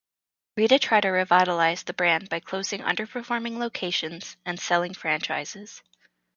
Rita tried to revitalize the brand by closing under-performing locations and selling franchises.